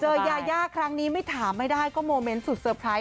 เจเรายายาครั้งนี้ไม่ถามไม่ได้ก็โมเมนสุดสเติร์ค